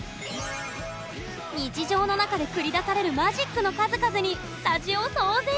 日常の中で繰り出されるマジックの数々にスタジオ騒然！